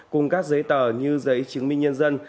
cùng các giấy tờ như giấy chứng minh nhân dân